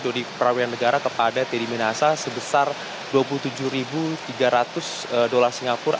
dodi perawian negara kepada teddy minasa sebesar dua puluh tujuh tiga ratus dolar singapura